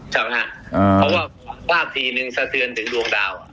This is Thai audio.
ใช่ไหมครับเพราะว่าพลาดทีนึงสะเทือนถึงดวงดาว